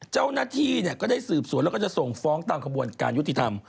เจ้าหน้าที่ก็ได้สืบสวนแล้วก็จะส่งฟ้องตามขบวนการยุติธรรม